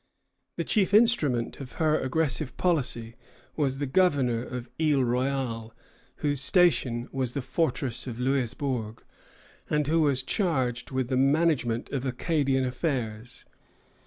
The chief instrument of her aggressive policy was the governor of Isle Royale, whose station was the fortress of Louisbourg, and who was charged with the management of Acadian affairs.